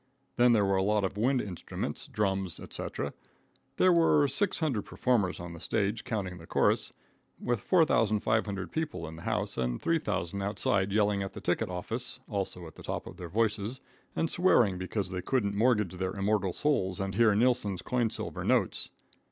Then there were a lot of wind instruments, drums, et cetera. There were 600 performers on the stage, counting the chorus, with 4,500 people in the house and 3,000 outside yelling it the ticket office also at the top of their voices and swearing because they couldn't mortgage their immortal souls and hear Nilsson's coin silver notes.